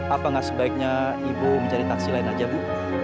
apa enggak sebaiknya ibu mencari taksi lain aja bu